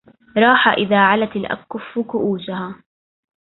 راح إذا علت الأكف كؤوسها